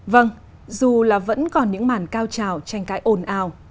vâng dù là vẫn còn những màn cao trào tranh cãi ồn ào